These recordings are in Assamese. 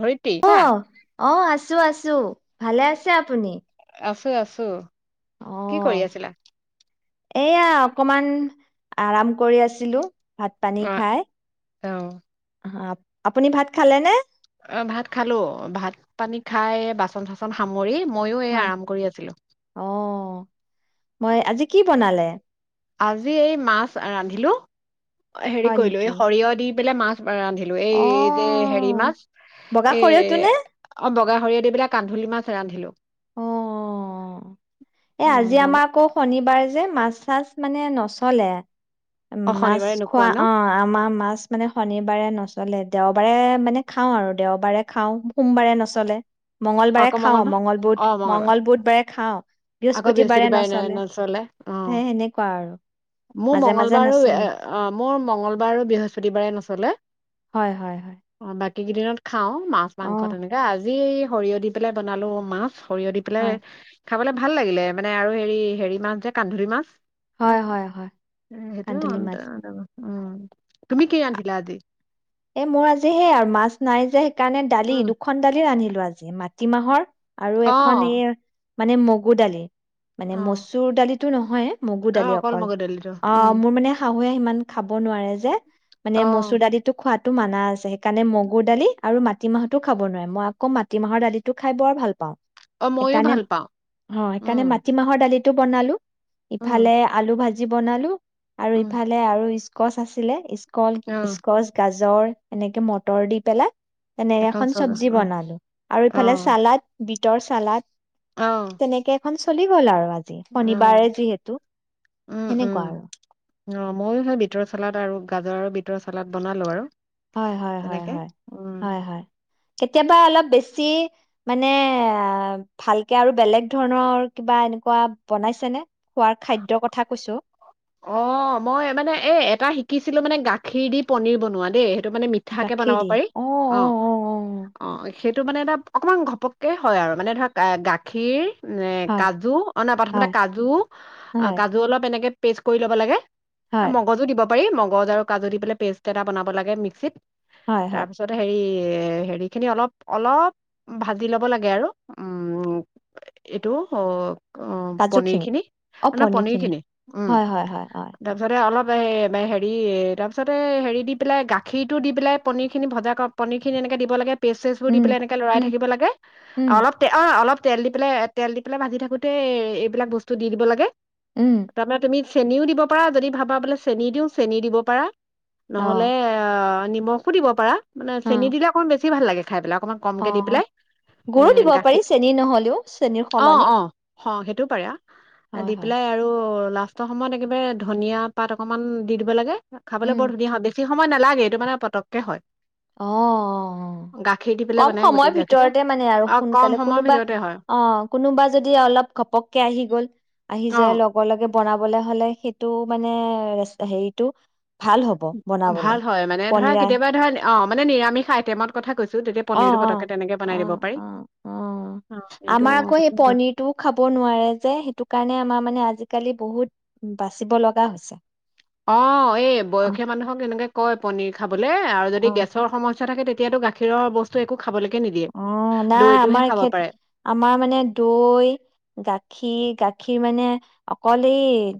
ধৰিত্ৰী অ আছা? অ আছো আছো ভালে আছে আপুনি আছো আছোঁ কি অ', কৰি আছিলা এয়া অকমান আৰাম কৰি আছিলো ভাত পানী অ খাই অ অ। আপুনি ভাত খালে নে? ভাত খালোঁ ভাত পানী খাই বাচন চচন সামৰি মইয়ো এই হয় আৰাম কৰি আছিলো। অ মই আজি কি বনালে আজি এই মাছ ৰান্ধিলো হেৰি হয় কৰিলো নেকি? এই সৰিয়হ দি পেলাই মাছ ৰান্ধিলো এই যে হেৰি অ', মাছ বগা এ সৰিয়হটো নে? অ বগা সৰিয়হ দি পেলাই কান্ধুলুলি মাছ ৰান্ধিলো অ এ উম আজি আমাৰ বগা- আকৌ শনিবাৰে যে মাছ চাছ মানে নচলে উ অ মাছ শনিবাৰে খোৱা নোখোৱা ন? অ আমাৰ মাছ মানে শনিবাৰে নচলে। দেওবাৰে মানে খাওঁ আৰু দেওবাৰে খাওঁ সোমবাৰে নচলে অ মঙ্লবাৰে আকৌ খাও মঙ্গলবাৰ? মংগল বুধ অ মঙ্গলবাৰ। মঙ্গল বুধবাৰে খাওঁ আকৌ বৃহস্পতিবাৰে নচলে অ সেই সেনেকুৱা আৰু মোৰ মাজে মাজে মংগলবাৰো নচলে অ মোৰ মঙ্গলবাৰ আৰু বৃহস্পতিবাৰে নচলে হয় হয় হয় এই কেই দিনত খাও, মাছ অ মাংস তেনেকে আজি এই সৰিয়হ দি পেলাই বনালোঁ মাছ। সৰিয়হ দি পেলাই হয় খাবলে ভাল লাগিলে মানে আৰু হেৰি হেৰি মাছ যে কান্দুলি মাছ। হয় [unintelligible] হয় হয় কান্ধলি মাছ উম', তুমি কি ৰান্ধিলা আজি? এ মোৰ আজিহে এই আৰু মাছ নাই যে। সেইকাৰণে দালি, উম দুখন দালি ৰান্ধিলো। আজি, মাটিমাহৰ আৰু অ এখন এই মানে, মগু দালি? অ মানে, মচুৰ দালিত টো নহয়। মগু অ দালি অকল, মগু দালিটো উম অ', মোৰ মানে শাহ হোয়ে সিমান খাব নোৱাৰে যে অ মানে মচুৰ দালিত খোৱাতটো মানা আছে। সেইকাৰণে মগুৰ দালি আৰু মাটি মাহতো খাব নোৱাৰে, মই আকৌ মাটিমাহৰ দালিো খাই বৰ ভাল পাওঁ। অ মইয়ো সেইকাৰণে ভাল পাওঁ হ' উম সেইকাৰণে মাটিমাহৰ দালিত টো বনালো। উম ইফালে আলু ভাজি, জি বনালো। আৰু উম ইফালে আৰু ইচ কছ আছিলে ইচ কল অ ইচ কছ, গাজৰ, এনেকে মটৰ দি পেলাই তেনেকে এখন চব চব্জি অ বনালো, আৰু অ ইফালে চালাড বিটৰ চালাদ, অ অ তেনেকে এখন চ চলি গ'ল আৰু আ', শনিবাৰে যিহেতু, উম উম সেনেকুৱা আৰু অ', ময়ো সেই বিটৰ চালাড আৰু গাজৰ আৰু বিটৰ চালাড বনালোঁ আৰু হয়- তেনেকে উম হয়-হয়-হয়-হয়- হয় কেতিয়াবা অলপ বেছি মানে ভালকে আৰু বেলেগ ধৰণৰ কিবা এনেকুৱা বনাইছেনে? খোৱাৰ খাদ্যৰ কথা কৈছো অ', মই মানে এই এটা শিকিছিলো মানে গাখীৰ দি পনীৰ বনোৱা দেই এই মানে মিঠা কে বনাব পাৰি অ অ সেইটো মানে এটা অকণমান ঘপককৈ হয় আৰু মানে ধৰক গাখীৰ এ হয় কাজু অনা প্ৰথমতে হয় কাজু অ' হয় কাজু অলপ এনেকে পেষ্ট কৰি ল'ব লাগে। হয় মগজো দিব। পাৰি মগজ আৰু কাজু দি পেললে পেষ্ট এটা বনাব লাগে মিক্সিত। হয় হয় তাৰপিছত হেৰি এ হেৰিখিনি অলপ অলপ ভাজি ল'ব লাগে আৰু উম এইটো অ পনিৰ কাজুখিনি খিনি অ মানে পনিৰ পনীৰখিনি খিনি উম হয় হয় হয় হয় তাৰপিছতে অলপ ত হেৰি তাৰপিছতে হেৰি দি পেলাই গাখীৰটো দি পেলাই পনীৰ খিনি ভজা কৰক পনিৰ খিনি এনেকে দিব লাগে। পেচছ বোৰ দি উম পেলাই এনেকে লৰাই উম থাকিব লাগে উম অলপ অ', অলপ তেল দি পেলাই তেল দি পেলাই ভাজি থাকোতে এইবিলাক বস্তু দি দিব লাগে। উম ত মাৰ ত মি চেনিও দিব পাৰা যদি ভাবা বোলে চেনি দিওঁ চেনি দিব পাৰা অ নহ'লে আহ। নিমখো দিব পাৰা মানে অ চেনি দিলেকণ বে বেছি ভাল লাগে খাইিলাক অ' গৰু দিব গাখীৰ পাৰি চেনী নহলেও চেনীৰ অ সলনি অ' সেইটোও পাৰে। হয়, দি হয়। পেলাই আৰু লাষ্টৰ সময়ত একেবাৰে ধনিয়া পাত অকমান দি দিব লাগে। খাবলৈ উম বৰ ধুনীয়া হয় দেখি সময় নালাগে এইটো মানে পতককে হয় অ গাখীৰ দি পেলাই কম মানে সময়ৰ গোটেই গাখীৰতে ভিতৰতে মানে আৰু কম সোনকালে সময়ৰ কোনোবা ভিতৰতে হয় অ কোনোবা যদি অলপ ঘপককে আহি গ'ল আহি। অ যায় লগে, লগে। বনাবলে হ'লে সেইটো মানে হেৰিটো ভাল হ'ব ভাল বনাবলে হয় মানে ধৰা পনীৰা কেতিয়াবা ধৰা অ মানে নিৰামিষ আইটেমত কথা কৈছে অ', অ', অ', অ', অ', আমাৰ আকৌ সেই পনিৰটোও খাব নোৱাৰে যে সেইটো কাৰণে আমাৰ মানে আজি আজিকালি বহুত বাচিব লগা হৈছে। অ এই অ বয়সীয়া মানুহক এনেকে কয় পনিৰ খাবলৈ আৰু যদি অ গেছৰ সমস্যা থাকে তেতিয়া এতিয়া গাখীৰৰ বস্তু একো খাবলৈকে নিদিয়ে অ', নাই দৈটোহে আমাৰ খাব এখেত পাৰে আমাৰ মানে দৈ গাখীৰ গা গাখীৰ মানে অকলে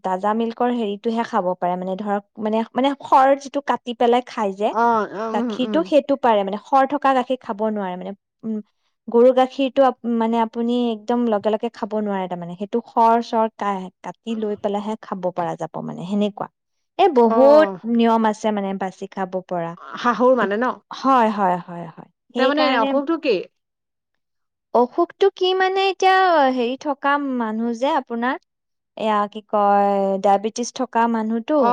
তাজা মিল্কৰ হেৰিতটোহে খাব পাৰে মানে ধৰক মানে মানে খৰ যিটো কাটি। পেলাই খাই যে অ উম উম গাখীৰতটো সেইটো পাৰে মানে খৰ থকা গাখীৰ খাব নোৱাৰে মানে। উম গৰু গাখীৰটো মানে আপুনি একদম লগে লগে খাব নোৱাৰে তাৰমানে সেইটো খৰ চৰ কা। কাটি লৈ পেলাইহে খাব। পৰা যাব মানে সেনেকুৱা এ অ বহুত নিয়ম আছে। ছে মানে বাচি খাবু। পৰা শাহুৰ মানে ন হয়, হয়। হয় তাৰমানে অশোকটো কি অসুখতটো কি মানে এতিয়া হেৰি থকা মানুহ যে আপোনাৰ এয়া কি কয় ডায়বেটিছ থক থকা মানুহতো অ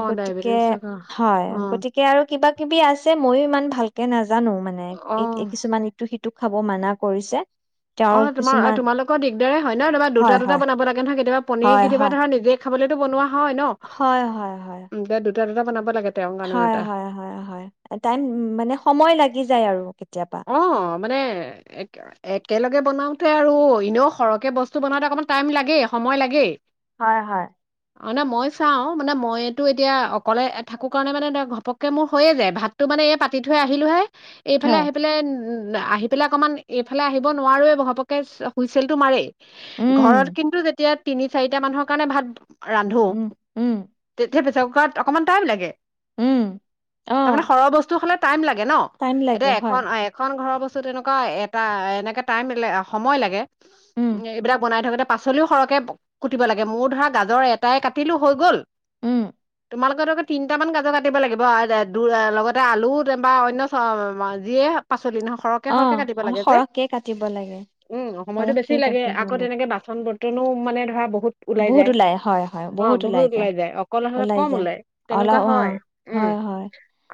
অ গতিকে ডায়েবেটিছ থকা হয় অ গতিকে আৰু কিবা কিবি আছে ময়ো ইমান ভালকে নাজান জানো মানে অ এক ইটো সিটো খাব মানা কৰিছে অ তেওঁৰ তোমাৰ কিছুমান তোমালোকৰ দিগদাৰে হয় ন তোমাৰা হয় দুটা দুটা হয় বনাব লাগে নহয় কেতিয়াবা পনীৰ হয় কেতিয়াবা হয় ধৰা নিজে খাবলৈতো বনোৱা হয় হয় হয় হয় ন দু দূটা দূটা বনাব লাগে তেওঁৰ কাৰণেও হয়, এটা হয়, হয়, হয় টাইম মানে সময় লাগি যায় আৰু। কেতিয়াবা অ মানে একেলগে বনাও ত' আৰু এনেও সৰহকে বস্তু বনতে অকমান টাইম লাগে সময় লাগেই। হয়, হয়। অ', নাই মই চাওঁ মানে মইতো এতিয়া অকলে থাকোঁ কাৰণে মানে ঘপককৈ মোৰ হৈয়ে যায় ভাতটো মানে এই পাতি থৈ আহিলোহে। এইফালে হয় আহি উম, উম আহি পেলাই অকমান এইফালে আহিব নোৱাৰোৱে ঘপকহে হুইচল টো মাৰেই। উম ঘৰত কিন্তু যেতিয়া তিনি চাৰিটা মানুহৰ কাৰণে ভাত ৰান্ধো উম উম [inaudible] অকমান টাইম লাগে উম অ তাৰমানে সৰহ বস্তু হলে টাইম লাগে ন টাইম এতিয়া লাগে হয়। এখন এখন ঘৰৰ বস্তুত এনেকুৱা এটা এনেকে টাইম সময় লাগে উম এইবিলাক বনাই থাকোতে পাচলিও সৰহকে কুটিব লাগে মোৰ ধৰা গাজৰ এটাই কাটিলো হৈ গ'ল উম, তোমালোকে ধৰক তিনিটামান কাজৰ কাটিব লাগিব লগতে আলু বা অন্য যিয়ে পাচলি [unintelligible] সৰহকে অ', সৰহকে কাটিব অলপ লাগে যে, সৰহকে কাটিব লাগে, উম', সময়টো সৰহকে বেছি লাগে কাটিব আকৌ লাগে। তেনেকে বাচন বৰ্তনো মানে ধৰা বহুত বহুত ওলাই হয়, হয়, অ বহুত ওলাই যায়। অকল হলে ওলাই কম যায়, তেনেকুৱা অলপ অ হয়, উম হয়, হয়,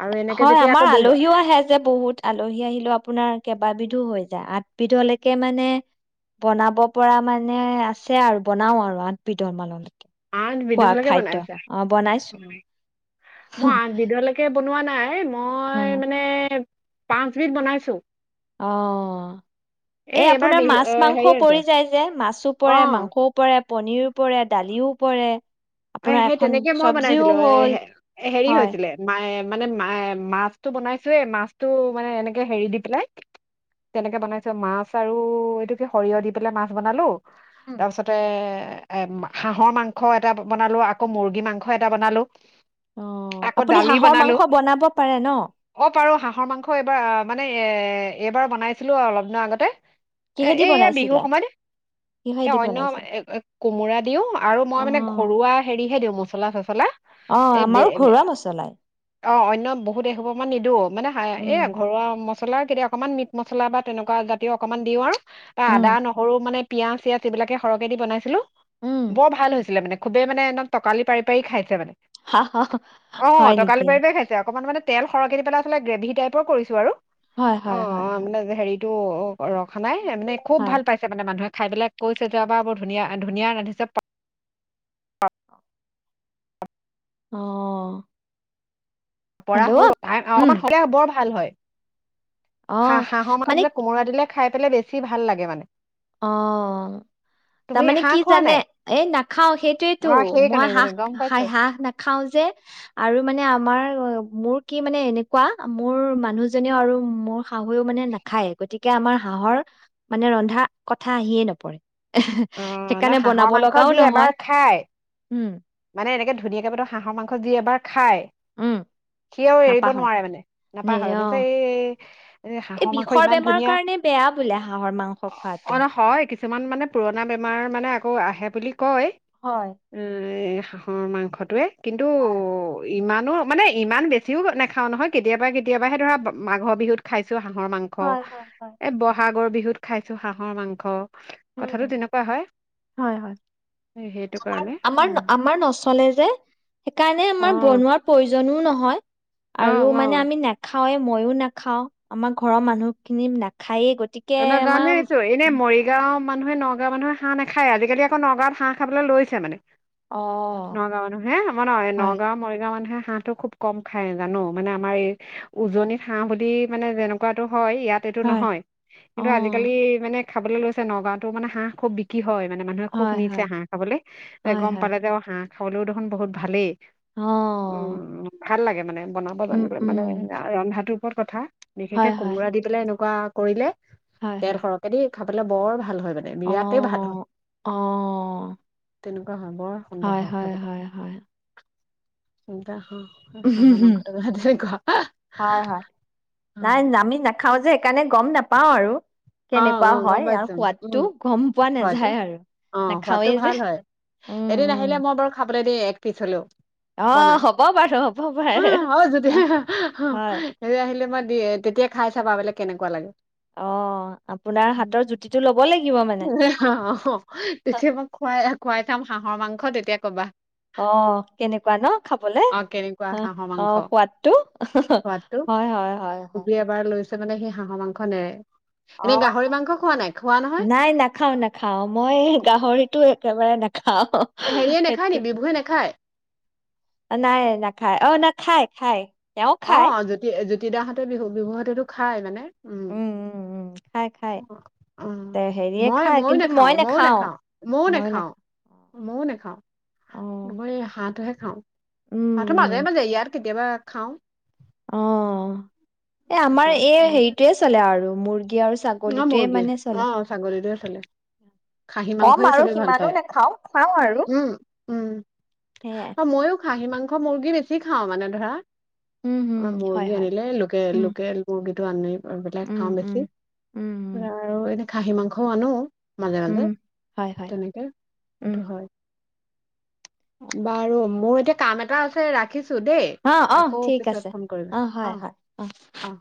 আৰু এনেকে হয় যেতিয়া আমাৰ আকৌ দু আলহীও আহে যে বহুত আলহী আহিলেও আপোনাৰ কেইবাবধো হৈ যায়, আঠবিধলৈকে মানে বনাব পৰা মানে আছে আৰু বনাও আৰু আ পিতন মালন আঠ বিধলৈকে বনাইছা? বনাইছো। মই আঠ বিধলৈকে বনোৱা নাই, মই অ', মানে পাঁচবিধ বনাইছো। অ', এই এইবাৰ আপোনাৰ বিহু মাছ এ হেৰি মাংসও হৈছে পৰি যায় যে, মাছো পৰে অ মাংসও পৰে পনিৰো পৰে, দালিও পৰে, অ আপোনাৰ সেই এখন তেনেকে মই চব্জিও বনাইছিলো, এ হ'ল হেৰি হয়। হৈছিলে মানে ম মাছটো বনাইছোয়ে, মাছতটো মানে এনেকে হেৰি দি পেলাই তেনেকে বনাইছো মাছ আৰু এইটো কি সৰিয়হ দি পেলাই মাছ বনালো উম। তাৰপিছতে এ, হাঁহৰ মাংস এটা বনালো, আকৌ মুৰ্গী মাংস এটা বনালো অ', আকৌ আপুনি দালি হাঁহৰ বনালো মাংস বনাব পাৰে ন? অ পাৰো হাঁহৰ মাংস এইবাৰ, মানে এ এইবাৰ বনাইছিলো অলপ দিনৰ আগতে এ কিহেদি এই এ বিহু বনাইছিলে? সময় ন এ কিহেদি অন্য বনাইছিল? কোমোৰা দিও আৰু মই মানে অ', ঘৰুৱা হেৰিহে দিওঁ মচলা চচলা। অ', এই আমাৰো ঘৰুৱা মছলাই। অন্য বহুত এসোপ মান নিদো মানে উম, ঘৰুৱা মছলা কেতিয়া অকমান মিট মছলা বা তেনেকুৱা জাতিও অকমান দিওঁ আৰু বা উম, আদা নহৰু মানে পিাঁয়াজ চিয়াজ এইবিলাক সৰহকৈ দিনাইছিলোঁ উম, বৰ ভাল হৈছিলে মানে খুবেইমানে একদম তকালি পাৰি পাৰি খাইছে মানে হা, হা, অ হয় টকালি নেকি? পাৰি পাৰি খাইছে অকমান মানে তেল সৰক কে দি পেলাই [inaudible] গ্ৰেভি টাইপৰ কৰিছো আৰু হয়, হয়, হয়, হয়, অ'মানে হাৰি টো ৰখা নাই মানে খুব হয়। ভাল পাইছে মানে মানুহে খাই পেলাই কৈছে [unintelligible] বৰ ধুনীয়া ধুনীয়া ৰান্ধিছে অ পৰা হেল্ল' হৈ উম, [unintelligible] বৰ ভাল হয় হাঁ অ', হাঁহৰ মাংস মানে দিলে কোমোৰা দিলে খাই পেলাই বেছি ভাল লাগে মানে অ তুমি তাৰমানে হাঁহ কি খোৱা জানে নাই এই নাখাও অ সেইটোৱেইেতো মই সেইকাৰণে জানো, হাঁহ গম পাইছো হাঁহ নাখাও যে আৰু মানে আমাৰ মোৰ কি মানে এনেকুৱা মোৰ মানুহজননেও আৰু মোৰ শাহুএ ও মানে নাখায় গতিকে আমাৰ হাঁহৰ মানে ৰন্ধা কথা আহিয়ে নপৰে অ ন সেইকাৰণে বনাব হাঁহৰ মাংস লগাও যি নহয় এবাৰ খায় উম মানে এনেকে ধুনীয়াকে বতৰ হাঁহৰ মাংস যি এবাৰ খায় উম সিও এৰিব নাপাহৰে নোৱাৰে মানে নে অ নাপাহাহৰে [unintelligible] এই এই হাঁহৰ মাংস বিষৰ ইমান বেমাৰ ধুনীয়া কাৰণে বেয়া বোলে হাঁহৰ মাংস খোৱাটো চমান মানে পুৰণা বেমাৰ মানে আকৌ আহে বুলি কয় হয় [inaudible] হাঁহৰ মাংসটোয়ে কিন্তু হয় হয় ইমানো মানে ইমান বেছিও নাখাও নহয় কেতিয়াবা কেতিয়াবাহে ধৰা মাঘৰ বিহুত খাই হাঁহৰ মাংস হয় হয় হয় এই বহাগ আগৰ বিহুত খাইছো হাঁহৰ মাংস কথাটো উম তেনেকুৱা হয় হয় হয় সেইটো আ কাৰণে আমাৰ উম আমাৰ নচলে যে সেইকাৰণে অ আমাৰ বনোৱাৰ প্ৰয়োজনও নহয় হয় অ আৰু অ মানে আমি নেখাওঁ হয় মইয়ো নাখাও আমাৰ ঘৰৰ মানুহ খিনি নাখায়ে [unintelligible] জানেই ছো এনে মৰিগাঁও মানুহে নগাঁৱ মানুহে হাহঁ নাখায় আজিকালি আৌ নগাঁৱত হাঁ খাব লৈছে মানে অ নগাঁও মানুহ হে আমাৰ ন হয় নগাঁও মৰিগাওঁ মানুহে হাঁহটো খুব কম খাই জানো মানে আমাৰ এই উজনিত হাঁহ বুলি মানে যেনেকুৱাতো হয় ইয়াত এইটো হয় নহয় অ কিন্তু আজিকালি মানে। খাবলৈ লৈছে নগাঁওত মানোঁহ খু বিক্ৰী হয়। মানে মানুহে খুব হয় নিছেে হয় হাঁহ খাবলৈ যে হয় গম হয় পালে যে হাঁহ। খলোও দেখোন বহুত ভালেই। অ'। উম, ভাল লাগে মানে। বনাব উম জানিলে উম মানে ৰন্ধাটো ক'ত কথা বিষকে হয় হয় কোমোৰা দি পেলাই এনো কোৱা কৰিলে? হয় তেৰ হয় সৰহ কেদি খাবলৈ বৰ ভাল হয়। অ বিয়াতে ভাল হয়। অ [unintelligible] বৰ সুন্দৰ হয় খাবটে। [unintelligible] হয় হয় নাই আমি নাখাওঁ যে [unintelligible] সেইকাৰণে গম নাপাওঁ আৰু। কেনেকুৱা অ', গম হয়, ইয়াৰ পাইছো উম, সোৱাদটো গম পোৱা সোৱাদটো নাযায় আৰু অ', সোৱাদটো নাখাওঁৱেই যে ভাল উম, উম। এ এক পিচ হ'লেও অ বনাই হ'ব বাৰু হ'ব বাৰু অ হয় [unintelligible] [unintelligible] কেনেকুৱা লাগে? অ', আপোনাৰ হাতৰ জুতিটো ল'ব লাগিব। মানে তেতিয়া মই খুৱাই খুৱাই থাম হাঁহৰ মাংস তেয়া ক'বা। অ', কেনেকুৱা ন' খাবলে অ', কেনেকুৱা উম, হাঁহৰ মাংস অ', সোৱাদটো হয়, হয়, হয়, হয়। টৰমানে সেই হাঁহৰ মাংস অ নেয়াৰে। এনেই গাহৰি মাংস খোৱা নাই খোৱা নহয়? নাই নাখাও নাখাও মই গাহৰিতো একেবাৰে নাখাও হেৰিয়ে নাখায় সেইটো নি বিভুৱে নাখায়? নাই না খায়, অ', না, খায় খায়। তেওঁ অ জ্যোতি জতি দিনাহঁতে বিহু বিহুহতেতো খাই মানে উম উম উম খাই খাই উ তে হেৰিয়ে মই খাই ময়ো কিন্তু নাখাও মই মইয়ো নাখাওঁ নাখাও মইও ময়ো নাখাও নাখাওঁ মইও অ নেখাওই এই হাঁহটোহে হা উম মাঠু মাজে উম মাজে ইয়াৰ ত কেতিয়াবা খাওঁ অ এই আমাৰ তেতিয়া এই মাজতে। হেৰিটয়ে চলে আৰু মোৰ অ মুৰ্গীৰ অ ছাগলীটোৱে চালে খাহী কম মাংসই আৰু চবে ভাল সিমানো পায় নাখাওঁ খাওঁ আৰু উম সেয়াই উম মইো খাঁহী মাংস মুৰ্গী বেছি খাও মানে ধৰা উম হম আ হয় মুৰ্গী হয় আনিলে লকেল উম এলকে এ মুগি তোমাক নি আৰু বেলেক উম খাওঁ উম বেছি উম অ উম এ খাহী মাংস আনো মাজে উম মাজে হয় হয় তেনেকে উঠ উম হয় বাৰু মোৰ এতিয়া কাম এটা আছে ৰাখিছো দেই অ অ আকৌ ঠিক পিছত আছে ফোন কৰিবা হয় অ হয় অ